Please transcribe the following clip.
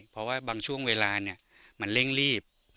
เพราะว่าบางช่วงเวลามันเร่งรีบ